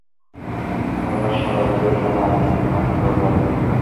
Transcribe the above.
তোমরা সবাই যে এখানে আসবে ঘুনাক্ষুরেও ভাবিনি!